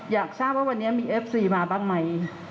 อยากทราบว่าวันนี้มีเอฟซีมาบ้างไหม